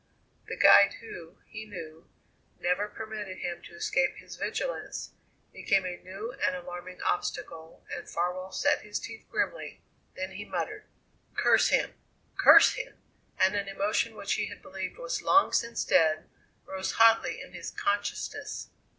The guide who, he knew, never permitted him to escape his vigilance, became a new and alarming obstacle, and Farwell set his teeth grimly. Then he muttered: "Curse him! curse him!" and an emotion which he had believed was long since dead rose hotly in his consciousness.